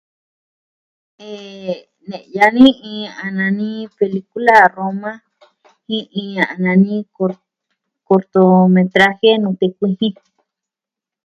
Eh... Ne'ya ni iin a nani pelikula Roma jin iin a nani cor... cortometraje Nute Kuijin.